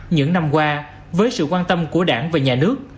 những năm qua với sự quan tâm của đảng và nhà nước